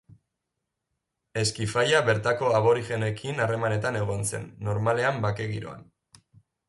Eskifaia bertako aborigenekin harremanetan egon zen, normalean bake giroan.